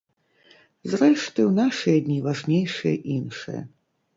Зрэшты, у нашыя дні важнейшае іншае.